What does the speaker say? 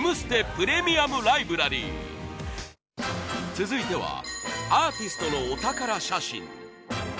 続いてはアーティストのお宝写真